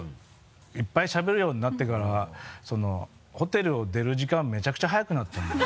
いっぱいしゃべるようになってからホテルを出る時間めちゃくちゃ早くなったのよ。